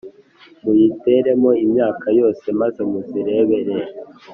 muyiteremo imyaka yose maze muzirebere”.